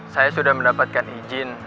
saya sudah mendapatkan izin